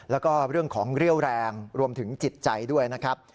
แล้วก็เรื่องของเรี่ยวแรงรวมถึงจิตใจด้วยนะครับ